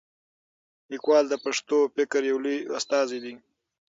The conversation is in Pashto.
لیکوال د پښتو فکر یو لوی استازی دی.